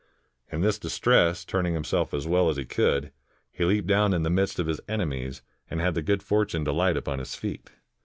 In this distress, turning himself as well as he could, he leaped down in the midst of his enemies, and had the good foilune to light upon his feet.